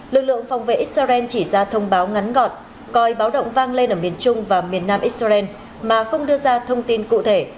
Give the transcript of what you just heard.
lực lượng phòng vệ israel chỉ ra thông báo ngắn gọn coi báo động vang lên ở miền trung và miền nam israel mà không đưa ra thông tin cụ thể